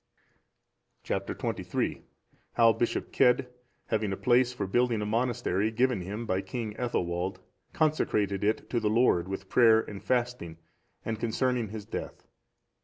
Chap. XXIII. How Bishop Cedd, having a place for building a monastery given him by King Ethelwald, consecrated it to the Lord with prayer and fasting; and concerning his death.